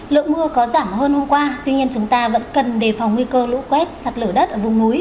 lượng mưa có giảm hơn hôm qua tuy nhiên chúng ta vẫn cần đề phòng nguy cơ lũ quét sạt lở đất ở vùng núi